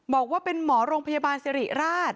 บอกว่าเป็นหมอโรงพยาบาลสิริราช